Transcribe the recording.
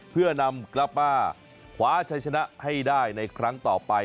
เพื่อนำกลับมาคว้าชัยชนะให้ได้ในครั้งต่อไป